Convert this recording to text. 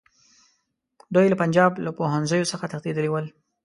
دوی له پنجاب له پوهنځیو څخه تښتېدلي ول.